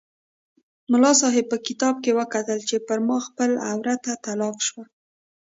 ملا صاحب په کتاب کې وکتل چې پر ما خپله عورته طلاقه شوه.